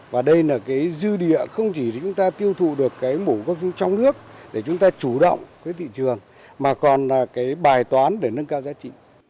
và đây là dư địa không chỉ chúng ta tiêu thụ được mũ cao su trong nước để chúng ta chủ động với thị trường mà còn bài toán để nâng cao giá trị